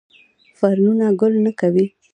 فرنونه ګل نه کوي